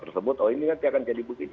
tersebut oh ini kan tidak akan jadi begitu